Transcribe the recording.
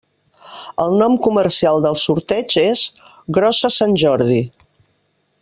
El nom comercial del sorteig és “Grossa Sant Jordi”.